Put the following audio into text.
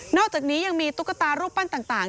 อกจากนี้ยังมีตุ๊กตารูปปั้นต่าง